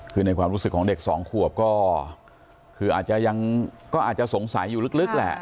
คือในความรู้สึกของเด็กสองควบก็อาจจะสงสัยอยู่รึกแหละ